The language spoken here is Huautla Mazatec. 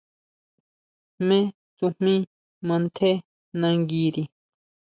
¿Jmé tsujmí mantjé nanguiri?